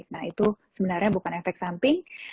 nah itu sebenarnya bukan efek samping